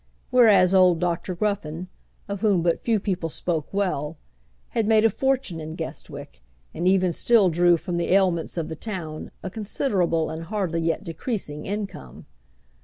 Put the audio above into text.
Whereas old Dr. Gruffen, of whom but few people spoke well, had made a fortune in Guestwick, and even still drew from the ailments of the town a considerable and hardly yet decreasing income.